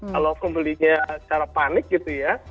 kalau pembelinya cara panik gitu ya